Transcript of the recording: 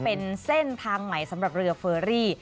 เป็นเส้นทางใหม่สำหรับเรือเฟอรี่